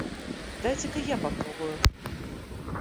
Дайте-ка я попробую.